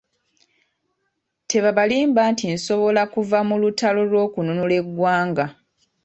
Tebabalimba nti nsobola kuva mu lutalo lw’okununula eggwanga.